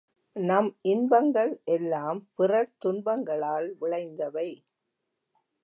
நம் இன்பங்கள் எல்லாம் பிறர் துன்பங்களால் விளைந்தவை.